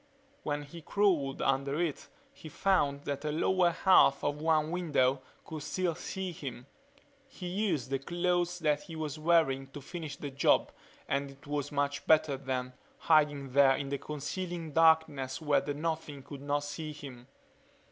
When he crawled under it he found that the lower half of one window could still see him. He used the clothes he was wearing to finish the job and it was much better then, hiding there in the concealing darkness where the Nothing could not see him.